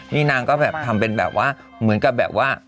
นี่นางก็แบบทำเป็นแบบว่าเหมือนกับแบบว่า